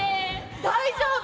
大丈夫。